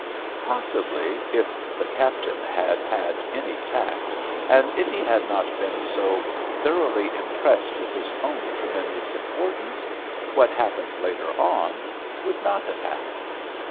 Possibly, if the captain had had any tact, and if he had not been so thoroughly impressed with his own tremendous importance, what happened later on would not have happened.